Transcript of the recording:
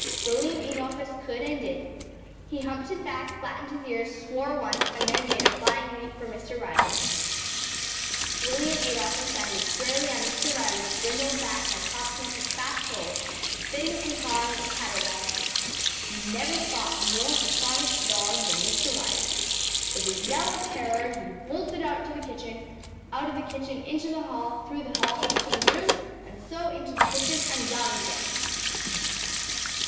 ‚ÄĚ William Adolphus could and did. He humped his back, flattened his ears, swore once, and then made a flying leap for Mr. Riley. William Adolphus landed squarely on Mr. Riley’s brindled back and promptly took fast hold, spitting and clawing and caterwauling. You never saw a more astonished dog than Mr. Riley. With a yell of terror he bolted out to the kitchen, out of the kitchen into the hall, through the hall into the room, and so into the kitchen and round again.